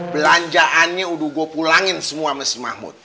belanjaannya udah gue pulangin semua sama si mahmud